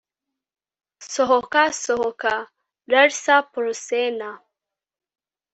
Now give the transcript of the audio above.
Sohoka sohoka Lars Porsena